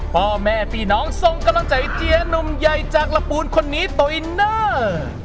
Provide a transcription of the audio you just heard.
พ่อแม่พี่น้องส่งกำลังใจเจียหนุ่มใหญ่จากลำปูนคนนี้โตอินเนอร์